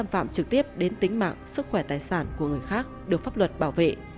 phạm trực tiếp đến tính mạng sức khỏe tài sản của người khác được pháp luật bảo vệ